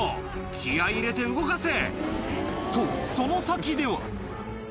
気合い入れて動かせ！と、その先では。